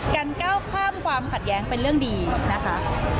ก้าวข้ามความขัดแย้งเป็นเรื่องดีนะคะ